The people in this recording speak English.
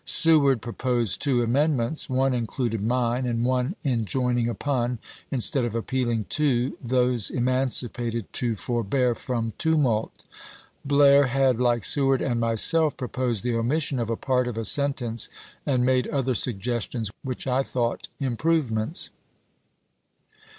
Seward proposed two amend ments. One included mine, and one enjoining upon, instead of appealing to, those emancipated to for bear from tumult. Blair had, like Seward and myself, proposed the omission of a part of a sen tence and made other suggestions which I thought improvements.